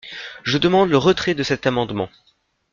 Je demande le retrait de cet amendement.